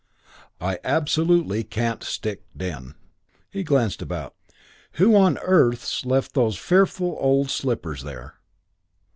"I absolutely can't stick den." He glanced about "Who on earth's left those fearful old slippers there?"